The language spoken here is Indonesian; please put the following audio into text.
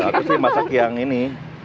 harus dimasak yang ini